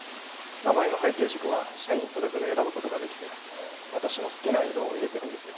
名前の背景色は社員それぞれ選ぶことができて私の好きな色を入れてるんですよ。